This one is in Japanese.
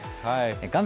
画面